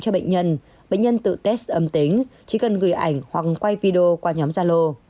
cho bệnh nhân bệnh nhân tự test âm tính chỉ cần gửi ảnh hoặc quay video qua nhóm gia lô